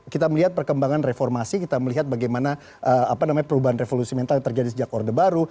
kita melihat perkembangan reformasi kita melihat bagaimana perubahan revolusi mental yang terjadi sejak orde baru